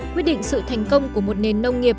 quyết định sự thành công của một nền nông nghiệp